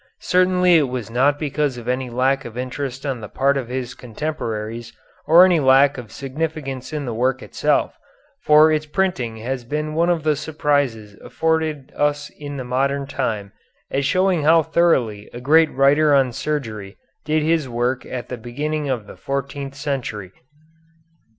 Certainly it was not because of any lack of interest on the part of his contemporaries or any lack of significance in the work itself, for its printing has been one of the surprises afforded us in the modern time as showing how thoroughly a great writer on surgery did his work at the beginning of the fourteenth century.